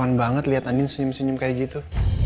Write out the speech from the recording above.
kauan banget liat andin senyum senyum kayak gitu